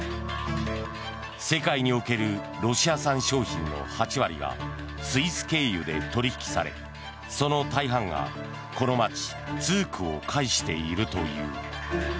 世界におけるロシア産商品の８割がスイス経由で取引されその大半がこの町ツークを介しているという。